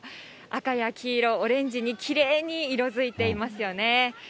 赤や黄色、オレンジにきれいに色づいていますよね。